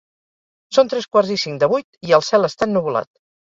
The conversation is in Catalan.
Són tres quarts i cinc de vuit i el cel està ennuvolat